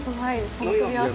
その組み合わせ。